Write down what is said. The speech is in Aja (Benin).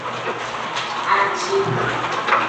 Aci.